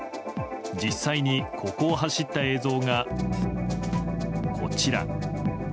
実際にここを走った映像がこちら。